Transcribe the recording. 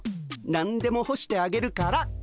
何でもほしてあげるから。